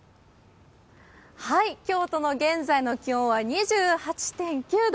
京都の現在の気温は２８．９度。